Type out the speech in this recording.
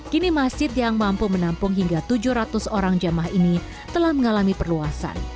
kini masjid yang mampu menampung hingga tujuh ratus orang jamah ini telah mengalami perluasan